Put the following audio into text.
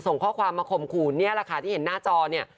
ส่งข้อความมาข่มขู่นี่แหละค่ะที่เห็นหน้าจอเนี่ย